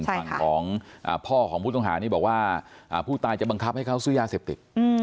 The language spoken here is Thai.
ฝั่งของพ่อของผู้ต้องหานี่บอกว่าผู้ตายจะบังคับให้เขาซื้อยาเสพติด